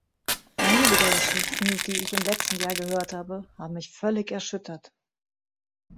Einige der Geschichten, die ich im letzten Jahr gehört habe, haben mich völlig erschüttert.